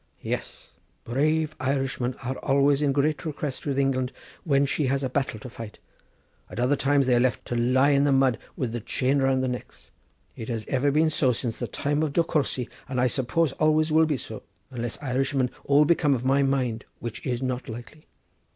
"Yes, brave Irishmen are always in great request with England when she has a battle to fight. At other times they are left to lie in the mud with the chain round their necks. It has been so ever since the time of De Courcy, and I suppose always will be so, unless Irishmen all become of my mind, which is not likely.